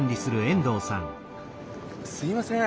すみません。